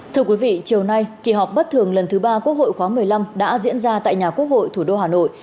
thưa quý vị chiều nay kỳ họp bất thường lần thứ ba quốc hội khóa một mươi năm đã diễn ra tại nhà quốc hội thủ đô hà nội